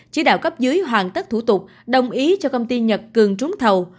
chỉ đạo cấp dưới hoàn tất thủ tục đồng ý cho công ty nhật cường trúng thầu